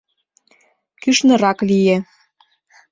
Кӱшнырак лие.